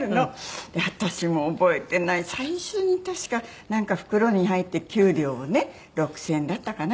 私も覚えてない最初に確かなんか袋に入って給料をね６０００円だったかな？